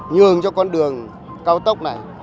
nhường cho con đường cao tốc này